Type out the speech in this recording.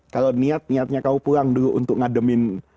kalau niatnya kamu pulang dulu untuk ngademin